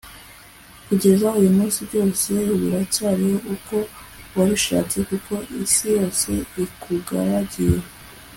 kugeza uyu munsi, byose biracyariho uko wabishatse, kuko isi yose ikugaragiye